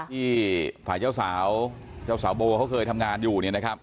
ที่ฝ่ายเจ้าสาวเจ้าสาวโบเขาเคยทำงานอยู่